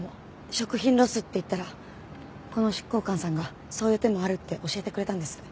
食品ロスって言ったらこの執行官さんがそういう手もあるって教えてくれたんです。